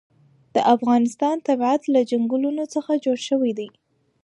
د افغانستان طبیعت له چنګلونه څخه جوړ شوی دی.